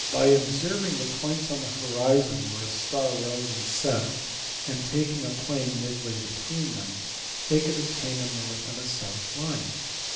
By observing the points on the horizon where a star rose and set, and taking a plane midway between them, they could obtain a north and south line.